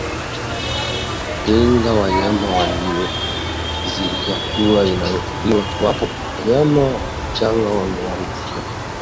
Tenga wanyama walioathirika hatua inayochukuliwa iwapo wanyama wachanga wameathirika